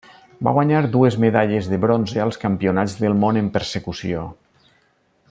Va guanyar dues medalles de bronze als Campionats del món en Persecució.